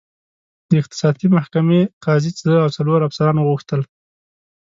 د اختصاصي محکمې قاضي زه او څلور افسران وغوښتل.